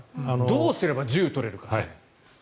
どうすれば１０取れるか。